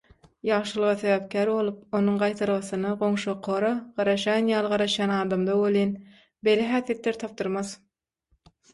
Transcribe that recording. Ýagşylyga sebäpkär bolup, onuň gaýtargysyna «goňşyokara» garaşan ýaly garaşýan adamda welin, beýle häsiýetler tapdyrmaz.